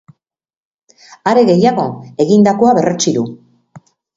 Are gehiago, egindakoa berretsi du.